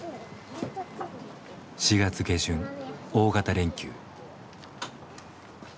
４月下旬大型連休。